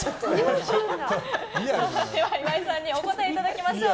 岩井さんにお答えいただきましょう。